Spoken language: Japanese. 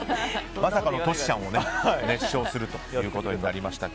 まさかのトシちゃんを熱唱するということになりましたが。